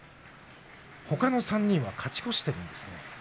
ほかの３人は勝ち越しているんですね。